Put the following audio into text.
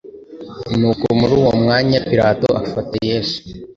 Nuko muri uwo mwanya Pirato afata yesu